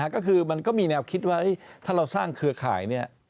ก็คือมันก็มีแนวคิดว่าถ้าเราสร้างเครือข่าย